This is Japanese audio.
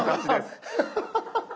ハハハハハ！